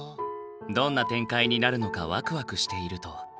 どんな展開になるのかワクワクしていると。